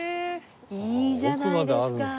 いいじゃないですか。